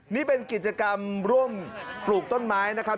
นี่เป็นกิจกรรมร่วมปลูกต้นไม้นะครับ